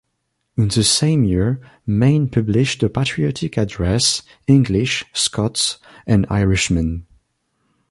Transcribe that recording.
In the same year Mayne published a patriotic address "English, Scots, and Irishmen".